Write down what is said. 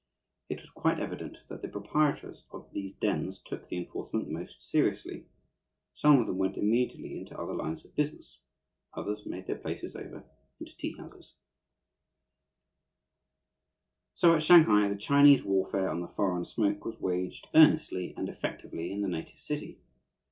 It was quite evident that the proprietors of these dens took the enforcement most seriously. Some of them went immediately into other lines of business; others made their places over into tea houses. [Illustration: IN AN OPIUM DEN, SHANGHAI] [Illustration: OPIUM SMOKING] So at Shanghai the Chinese warfare on the "foreign smoke" was waged earnestly and effectively in the native city.